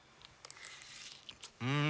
うん！